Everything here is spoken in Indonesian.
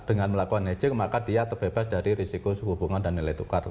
dengan melakukan netging maka dia terbebas dari risiko suhu hubungan dan nilai tukar